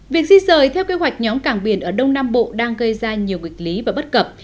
việc di rời theo kế hoạch nhóm cảng biển ở đông nam bộ đang gây ra nhiều nghịch lý và bất cập